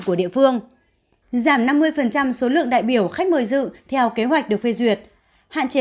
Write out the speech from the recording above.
của địa phương giảm năm mươi số lượng đại biểu khách mời dự theo kế hoạch được phê duyệt hạn chế